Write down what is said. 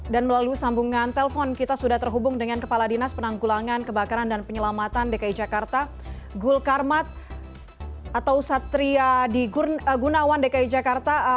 dan melalui sambungan telpon kita sudah terhubung dengan kepala dinas penanggulangan kebakaran dan penyelamatan dki jakarta gul karmat atau satriadi gunawan dki jakarta